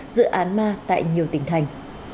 dự án ma tại nhiều tỉnh thành